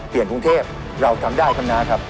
เปลี่ยนกรุงเทพเราทำได้คำนาคับ